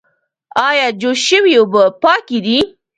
ایا جوش شوې اوبه پاکې دي؟